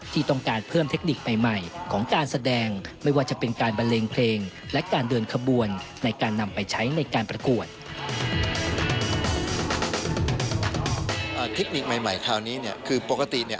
เทคนิคใหม่คราวนี้คือปกติเนี่ย